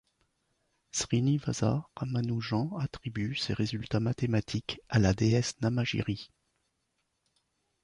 Srinivasa Ramanujan attribue ses résultats mathématiques à la déesse Namagiri.